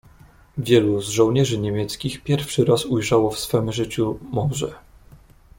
"Wielu z żołnierzy niemieckich pierwszy raz ujrzało w swem życiu morze."